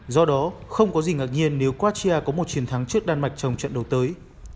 do đó không có gì ngạc nhiên nếu croatia có một chiến thắng trước đan mạch trong trận đầu tới